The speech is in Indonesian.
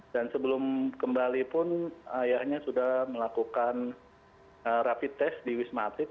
sebelum kembali pun ayahnya sudah melakukan rapid test di wisma atlet